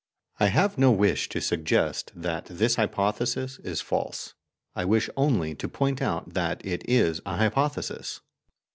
I have no wish to suggest that this hypothesis is false; I wish only to point out that it is a hypothesis.